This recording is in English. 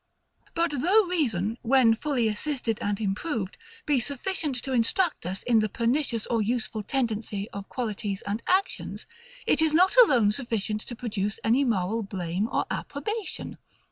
But though reason, when fully assisted and improved, be sufficient to instruct us in the pernicious or useful tendency of qualities and actions; it is not alone sufficient to produce any moral blame or approbation.